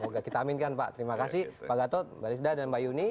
semoga kita aminkan pak terima kasih pak gatot mbak risda dan mbak yuni